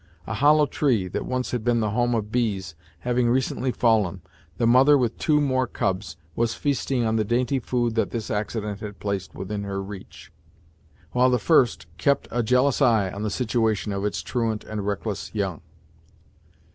A hollow tree, that once been the home of bees, having recently fallen, the mother with two more cubs was feasting on the dainty food that this accident had placed within her reach; while the first kept a jealous eye on the situation of its truant and reckless young.